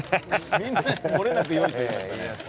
みんな漏れなくよいしょ言いましたね。